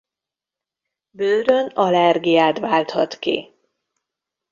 Bőrön allergiát válthat ki.